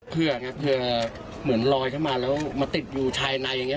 เพื่อไงเผื่อเหมือนลอยเข้ามาแล้วมาติดอยู่ภายในอย่างนี้